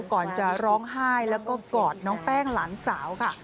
ก่อนจะร้องไห้แล้วก็กอดน้องแป้งหลานสาวค่ะ